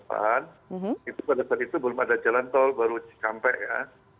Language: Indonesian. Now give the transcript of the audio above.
pada saat itu belum ada jalan tol baru sampai ya